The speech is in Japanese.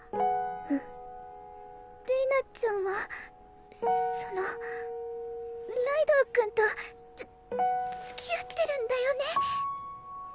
うんれいなちゃんはそのライドウ君とつつきあってるんだよね？